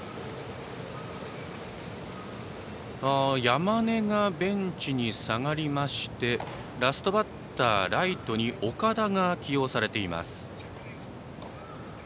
山根がベンチに下がりましてラストバッター、ライトに岡田が起用されています。